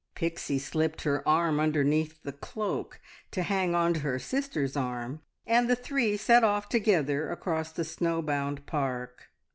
Pixie slipped her arm underneath the cloak to hang on to her sister's arm, and the three set off together across the snow bound park.